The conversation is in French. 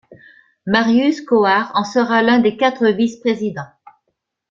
Marius Cohard en sera l'un des quatre vice-présidents.